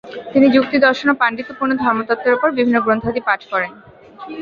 তিনি যুক্তি, দর্শন ও পাণ্ডিত্যপূর্ণ ধর্মতত্ত্বের উপর বিভিন্ন গ্রন্থাদি পাঠ করেন।